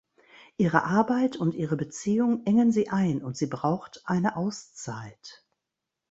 Ihre Arbeit und ihre Beziehung engen sie ein und sie braucht eine Auszeit.